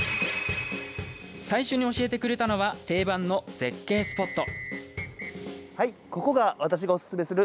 最初に教えてくれたのは定番の絶景スポット。